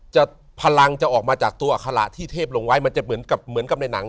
พลังจะออกมาจากตัวอัคระที่เทพลงไว้มันจะเหมือนกับเหมือนกับในหนัง